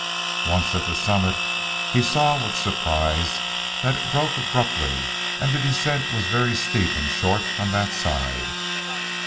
Once at the summit he saw with surprise that it broke abruptly and the descent was very steep and short on that side.